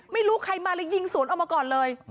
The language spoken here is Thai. ไม่รู้ใครมาเลยยิงสวนออกมาก่อนเลย